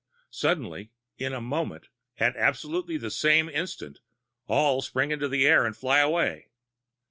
Suddenly in a moment at absolutely the same instant all spring into the air and fly away.